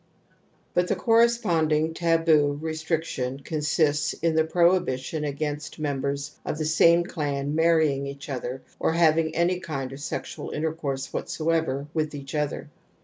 '"• But the corresponding taboo, restriction con sists in the prohibition against members of the same clan marrying each other jor having any kind of sexual intercourse whatsoever with each other.